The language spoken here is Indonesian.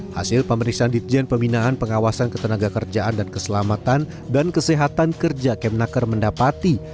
hasil pemeriksaan ditjen pembinaan pengawasan ketenaga kerjaan dan keselamatan dan kesehatan kerja kemnaker mendapati